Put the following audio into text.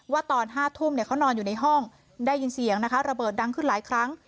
ตอน๕ทุ่มเขานอนอยู่ในห้องได้ยินเสียงนะคะระเบิดดังขึ้นหลายครั้ง